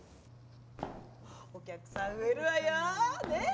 お客さん増えるわよねえ？